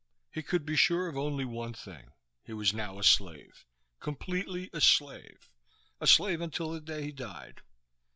He could be sure of only one thing: He was now a slave, completely a slave, a slave until the day he died.